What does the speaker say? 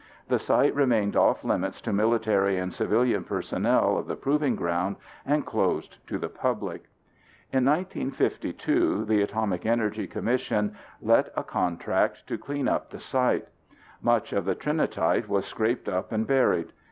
The site remained off limits to military and civilian personnel of the proving ground and closed to the public. In 1952 the Atomic Energy Commission let a contract to clean up the site. Much of the Trinitite was scraped up and buried.